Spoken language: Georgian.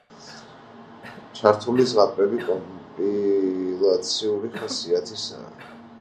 ჩართული ზღაპრები კომპილაციური ხასიათისაა.